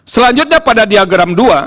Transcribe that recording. selanjutnya pada diagram dua